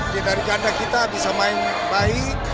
di dari kandang kita bisa main baik